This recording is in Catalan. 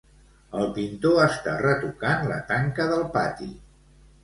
El pintor està retocant la tanca del pati